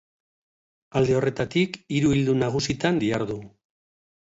Alde horretatik, hiru ildo nagusitan dihardu.